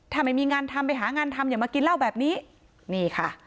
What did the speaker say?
ถ้าไม่มีงานทำไปหางานทำอย่ามากินเหล้าแบบนี้นี่ค่ะ